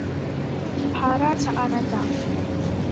พระราชอาณาจักร